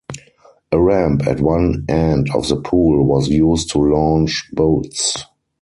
A ramp at one end of the pool was used to launch boats.